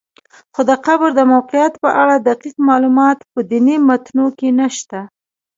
خو د قبر د موقعیت په اړه دقیق معلومات په دیني متونو کې نشته.